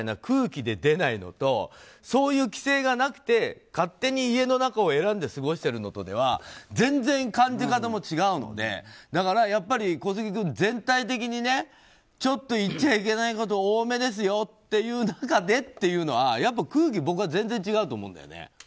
空気で出ないのとそういう規制がなくて勝手に家の中を選んで過ごしてるのとでは全然感じ方も違うのでやっぱり小杉君、全体的にちょっと言っちゃいけないこと多めですよという中でというのは空気、僕は全然違うと思うんだよね。